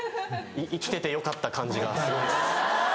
生きててよかった感じがすごいっす。